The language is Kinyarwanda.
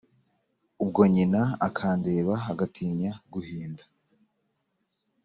Ubwo nyina akandeba Agatinya guhinda